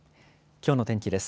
きょうの天気です。